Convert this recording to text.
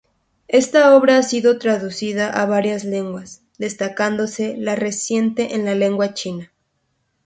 Esta obra ha sido traducida a varias lenguas, destacándose la reciente en lengua china.